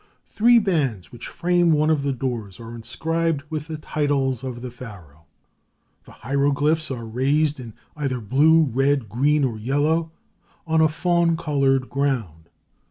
Three bands which frame one of the doors are inscribed with the titles of the Pharaoh. The hieroglyphs are raised in either blue, red, green, or yellow, on a fawn colored ground.